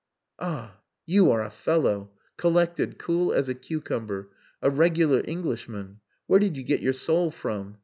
"Ah! You are a fellow! Collected cool as a cucumber. A regular Englishman. Where did you get your soul from?